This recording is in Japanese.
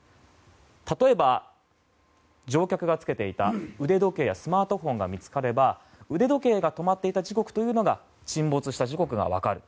例えば、乗客が着けていた腕時計やスマートフォンが見つかれば腕時計が止まっていた時刻で沈没した時刻が分かる。